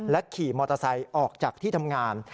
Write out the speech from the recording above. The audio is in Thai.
ขี่มอเตอร์ไซค์ออกจากที่ทำงาน